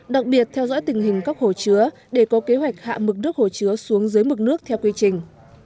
đặc biệt theo dõi tình hình các hồ chứa để có kế hoạch hạ mực nước hồ chứa xuống dưới mực nước theo quy trình